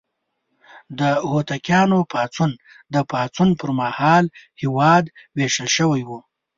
د هوتکیانو پاڅون: د پاڅون پر مهال هېواد ویشل شوی و.